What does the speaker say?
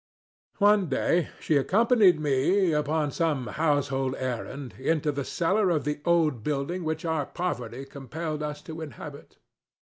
One day she accompanied me, upon some household errand, into the cellar of the old building which our poverty compelled us to inhabit.